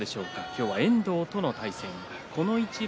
今日は遠藤との一番。